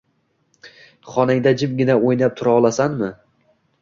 Xonangda jimgina o‘ynab tura olasanmi?